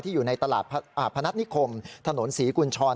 อยู่ในตลาดพนัฐนิคมถนนศรีกุญชร